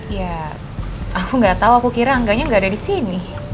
ya aku gak tau aku kira angga nya gak ada disini